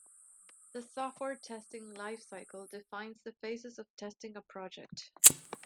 The software testing life cycle defines the phases of testing a project.